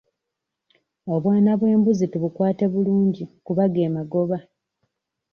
Obwana bw'embuzi tubukwate bulungi kuba ge magoba.